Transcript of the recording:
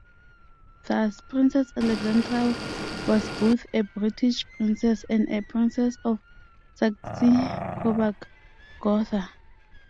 Thus, Princess Alexandra was both a British princess and a Princess of Saxe-Coburg-Gotha.